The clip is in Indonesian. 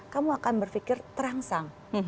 kamu akan berpikir terangsang